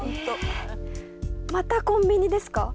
またコンビニですか？